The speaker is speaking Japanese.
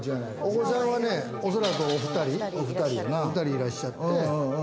お子さんはおそらくをお２人いらっしゃって。